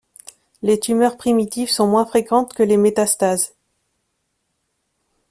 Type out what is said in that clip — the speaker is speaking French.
Les tumeurs primitives sont moins fréquentes que les métastases.